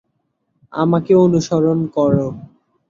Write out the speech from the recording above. আমাকে অনুসরণ করো।